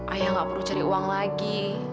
ayah gak perlu cari uang lagi